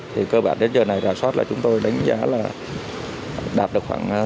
thì cơ bản đến giờ này rà soát là chúng tôi đánh giá là đạt được khoảng